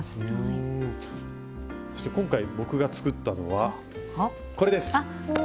そして今回僕が作ったのはこれです。